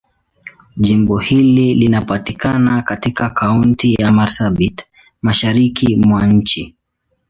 Jimbo hili linapatikana katika Kaunti ya Marsabit, Mashariki mwa nchi.